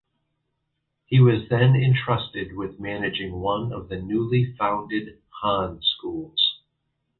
He was then entrusted with managing one of the newly founded Han schools.